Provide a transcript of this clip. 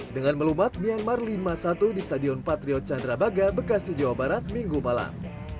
dengan melumat myanmar lima satu di stadion patriot candrabaga bekasi jawa barat minggu malam